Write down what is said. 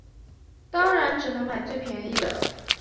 当然只能买最便宜的